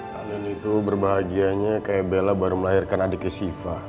kalian itu berbahagianya kayak bella baru melahirkan adiknya siva